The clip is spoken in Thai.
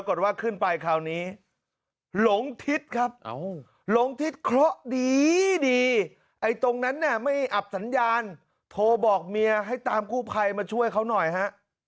ว่าขึ้นไปคราวนี้หลงทิศครับหลงทิศเคราะห์ดีดีไอ้ตรงนั้นเนี่ยไม่อับสัญญาณโทรบอกเมียให้ตามกู้ภัยมาช่วยเขาหน่อยฮะ